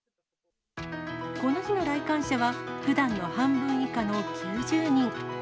この日の来館者は、ふだんの半分以下の９０人。